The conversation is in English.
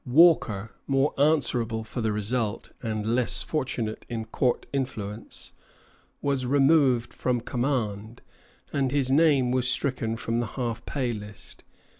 Walker, more answerable for the result, and less fortunate in court influence, was removed from command, and his name was stricken from the half pay list.